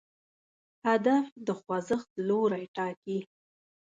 هدف د خوځښت لوری ټاکي.